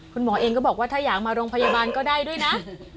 คุณหมอเองก็บอกว่าถ้าอยากมาโรงพยาบาลก็ได้ด้วยนะ